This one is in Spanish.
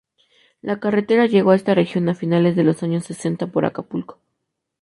La carretera llegó a esta región a finales de los años sesenta por Acapulco.